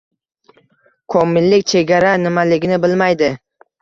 Komillik chegara nimaligini bilmaydi.